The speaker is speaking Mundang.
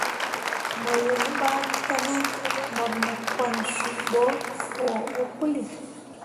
Mo yea ɓa kene mor me kwan suu ɓo fuo ɓo pəlli.